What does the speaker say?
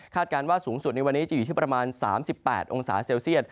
การว่าสูงสุดในวันนี้จะอยู่ที่ประมาณ๓๘องศาเซลเซียต